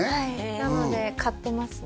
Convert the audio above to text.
なので買ってますね